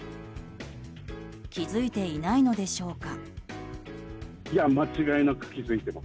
気づいていないのでしょうか。